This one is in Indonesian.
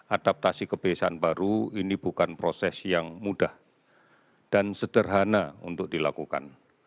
adaptasi kebiasaan baru ini bukan proses yang mudah dan sederhana untuk dilakukan